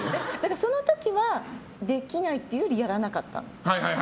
その時はできないっていうよりやらなかった。